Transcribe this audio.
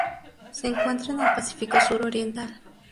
Se encuentra en el Pacífico sur oriental.